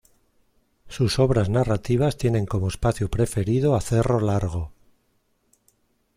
Sus obras narrativas tienen como espacio preferido a Cerro Largo.